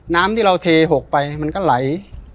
น้ำที่เราเทหกไปมันก็ไหล